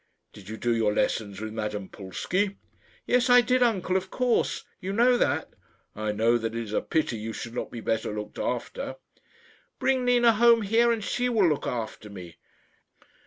"Did you do your lessons with Madame Pulsky?" "Yes, I did, uncle of course. You know that." "I know that it is a pity you should not be better looked after." "Bring Nina home here and she will look after me."